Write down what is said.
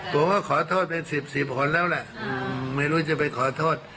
ผมก็ขอโทษเป็น๑๐๑๐คนแล้วแหละไม่รู้จะไปขอโทษ